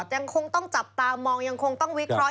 ยังคงต้องจับตามองยังคงต้องวิเคราะห